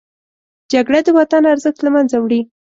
جګړه د وطن ارزښت له منځه وړي